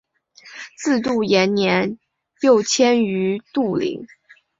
子杜延年又迁于杜陵。